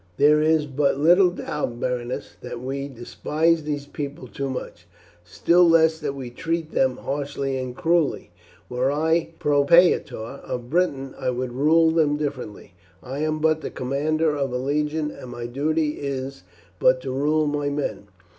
"There is but little doubt, Berenice, that we despise these people too much, still less that we treat them harshly and cruelly. Were I propraetor of Britain, I would rule them differently. I am but the commander of a legion, and my duty is but to rule my men.